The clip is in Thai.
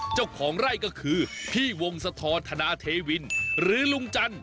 เจ้าของไร่ก็คือพี่วงสะทรธนาเทวินหรือลุงจันท